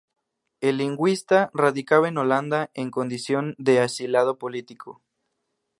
El lingüista radicaba en Holanda en condición de asilado político.